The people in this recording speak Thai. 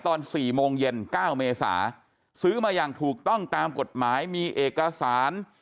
ตอน๔โมงเย็น๙เมษาซื้อมาอย่างถูกต้องตามกฎหมายมีเอกสาร